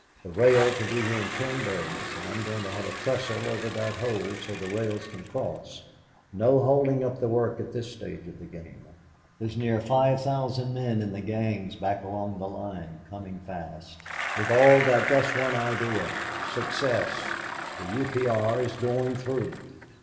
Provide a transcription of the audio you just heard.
The rails will be here in ten days, and I'm going to have a trestle over that hole so the rails can cross. No holding up the work at this stage of the game... There's near five thousand men in the gangs back along the line coming fast. They've all got just one idea success. The U. P. R. is going through.